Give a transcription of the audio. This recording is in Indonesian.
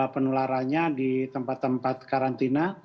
penularannya di tempat tempat karantina